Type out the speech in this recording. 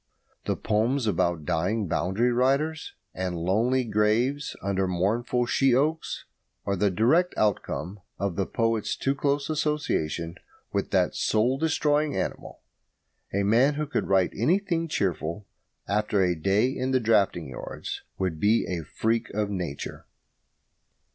The poems about dying boundary riders, and lonely graves under mournful she oaks, are the direct outcome of the poet's too close association with that soul destroying animal. A man who could write anything cheerful after a day in the drafting yards would be a freak of nature.